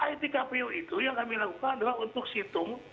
it kpu itu yang kami lakukan adalah untuk situng